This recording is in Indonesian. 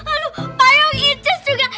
aduh payung icis juga